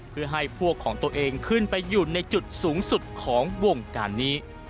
เพื่อให้พวกของตัวเองขึ้นไปอยู่ในจุดสูงสุดของวงการนี้